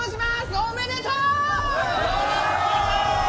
おめでとう！